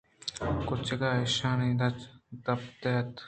کُچکّ ءَ ایشانان دپ جت